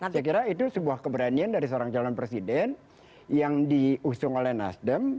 saya kira itu sebuah keberanian dari seorang calon presiden yang diusung oleh nasdem